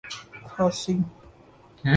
کھاسی